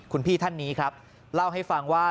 คุณพี่ท่านนี้ครับเล่าให้ฟังว่า